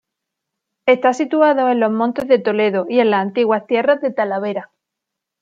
Está situado en los Montes de Toledo y en las antiguas Tierras de Talavera.